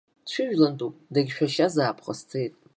Дшәыжәлантәуп, дагьшәашьазаап ҟасҵеит.